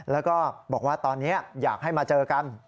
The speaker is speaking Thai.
แล้วก็บอกว่าตอนนี้อยากให้มาเจอกัน